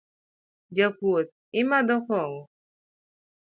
Jakuath imadho kong'o?